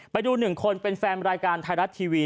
ไปดูหนึ่งคนเป็นแฟนรายการไทยรัฐทีวี